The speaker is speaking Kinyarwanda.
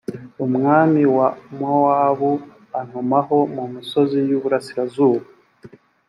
umwami wa mowabu antumaho mu misozi y’iburasirazuba.